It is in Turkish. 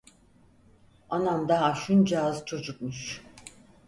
Anam daha şuncağız çocukmuş…